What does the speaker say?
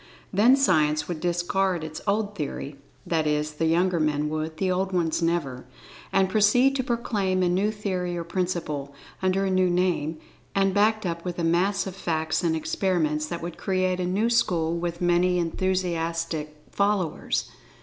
Then Science would discard its old theory (that is, the younger men would—the old ones, never) and proceed to proclaim a new theory or principle, under a new name, and backed up with a mass of facts and experiments that would create a new school with many enthusiastic followers.